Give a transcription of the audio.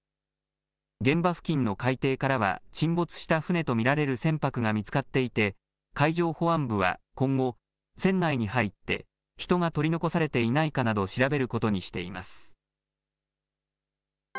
現場付近の海底からは沈没した船と見られる船舶が見つかっていて、海上保安部は今後、船内に入って人が取り残されていないかなどを調べることにしています。